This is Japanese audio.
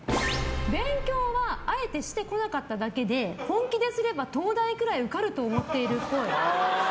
勉強はあえてしてこなかっただけで本気ですれば、東大くらい受かると思っているっぽい。